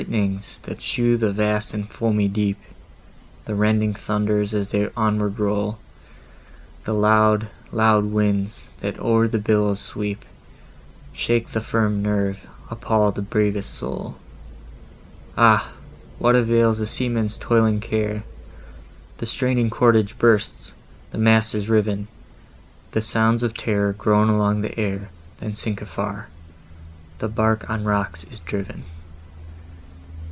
Lightnings, that show the vast and foamy deep, The rending thunders, as they onward roll, The loud, loud winds, that o'er the billows sweep— Shake the firm nerve, appall the bravest soul! Ah! what avails the seamen's toiling care! The straining cordage bursts, the mast is riv'n; The sounds of terror groan along the air, Then sink afar;—the bark on rocks is driv'n!